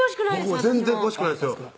僕も全然詳しくないんですよ